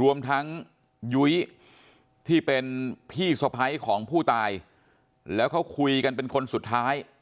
รวมทั้งยุ้ยที่เป็นพี่สะพ้ายของผู้ตายแล้วเขาคุยกันเป็นคนสุดท้าย